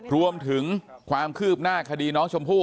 รวมถึงความคืบหน้าคดีน้องชมพู่